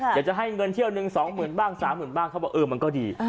เดี๋ยวจะให้เงินเที่ยวหนึ่งสองหมื่นบ้างสามหมื่นบ้างเขาว่าเออมันก็ดี